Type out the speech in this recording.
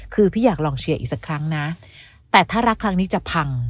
คือพี่อยากลองเชียร์อีกสักครั้งนะแต่ถ้ารักครั้งนี้จะพัง